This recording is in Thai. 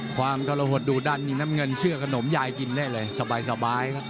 ความกรหดดูดันนี่น้ำเงินเสื้อขนมยายกินได้เลยสบายครับ